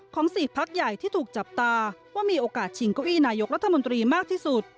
๔พักใหญ่ที่ถูกจับตาว่ามีโอกาสชิงเก้าอี้นายกรัฐมนตรีมากที่สุด